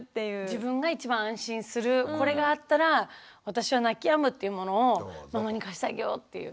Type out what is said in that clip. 自分が一番安心するこれがあったら私は泣きやむっていうものをママに貸してあげようっていう。